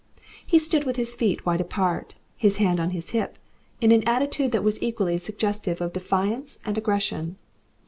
He stood with his feet wide apart, his hand on his hip, in an attitude that was equally suggestive of defiance and aggression.